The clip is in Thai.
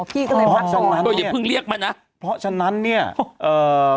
พี่ก็ได้พักตรงนั้นเนี้ยเพิ่งเรียกมาน่ะเพราะฉะนั้นเนี้ยเอ่อ